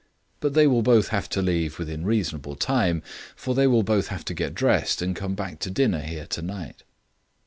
But they will both have to leave within reasonable time, for they will both have to get dressed and come back to dinner here tonight."